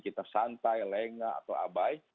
kita santai lengah atau abai